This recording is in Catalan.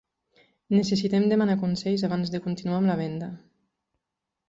Necessitem demanar consell abans de continuar amb la venda.